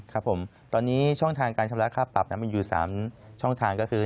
ครับผมตอนนี้ช่องทางการชำระค่าปรับมันอยู่๓ช่องทางก็คือ